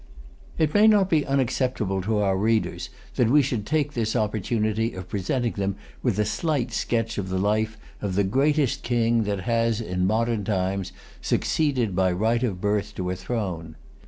It may not be unacceptable to our readers that we should take this opportunity of presenting them with a slight sketch of the life of the greatest king that has, in modern times, succeeded by right of birth to a throne.